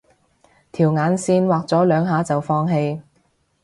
條眼線畫咗兩下就放棄